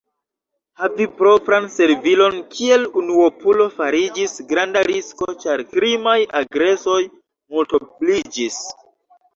Havi propran servilon kiel unuopulo fariĝis granda risko, ĉar krimaj agresoj multobliĝis.